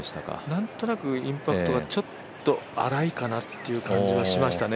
なんとなくインパクトがちょっと荒いかなという感じがしましたね。